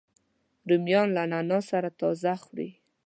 رومیان له نعناع سره تازه خوري